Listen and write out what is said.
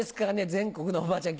全国のおばあちゃん